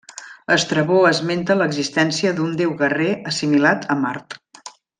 Estrabó esmenta l'existència d'un déu guerrer assimilat a Mart.